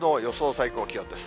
最高気温です。